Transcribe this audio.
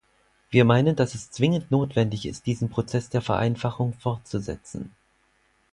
Wir meinen, dass es zwingend notwendig ist, diesen Prozess der Vereinfachung fortzusetzen.